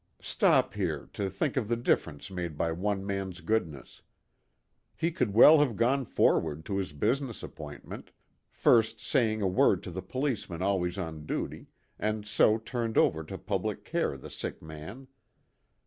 Stop here to think of the difference made by one man's goodness. He could well have gone forward to his business appointment, first saying a word to the policeman always on duty, and so turned over to public care the sick man.